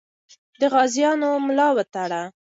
د غازیانو ملا وتړه.